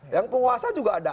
yang penguasa juga ada